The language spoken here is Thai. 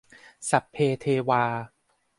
สัพเพเทวา